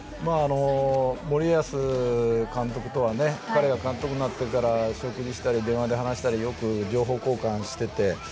森保監督とは彼が監督になってから食事をしたり電話をしたりよく情報交換していて。